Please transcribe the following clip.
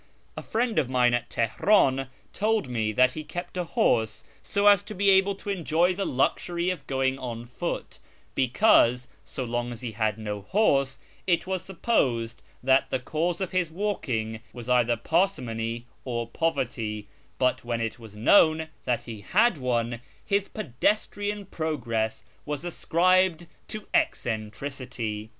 A friend of mine at Teheran told me that he kept a horse so as to be able to enjoy the luxury of going on foot ; because, so long as he had no horse, it was supposed that the cause of his walking was either parsimony or poverty ; but when it was known that he had one, his pedestrian progress was ascribed to eccentricity.